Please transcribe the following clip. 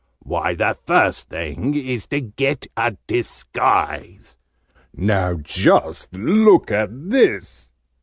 Why, the first thing is to get a disguise. Now, just look at this!"